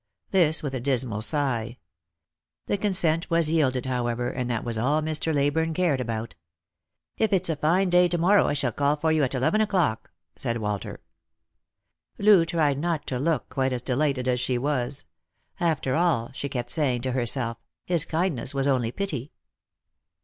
This with a dismal sigh. The consent was yielded, however, and that was all Mr. Ley burne cared about. " If it's a fine day to morrow I shall call for you at eleven o'clock," said Walter. Loo tried not to look quite as delighted as she was. After all, she kept saying to herself, his kindness was only pity.